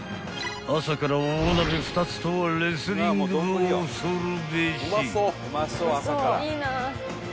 ［朝から大鍋２つとはレスリング部恐るべし］